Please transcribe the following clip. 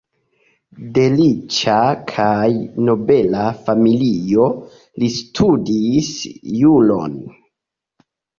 De riĉa kaj nobela familio, li studis juron.